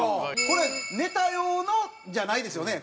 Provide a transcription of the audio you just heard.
これネタ用のじゃないですよね？